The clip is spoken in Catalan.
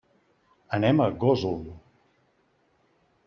Anem a Gósol.